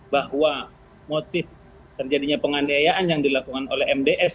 bahwa motif terjadinya penganiayaan yang dilakukan oleh mds